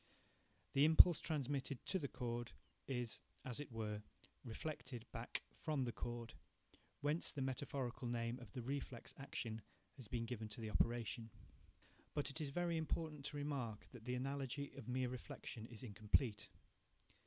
The impulse transmitted to the cord is, as it were, reflected back from the cord, whence the metaphorical name of the reflex action has been given to the operation. But it is very important to remark that the analogy of mere reflection is incomplete.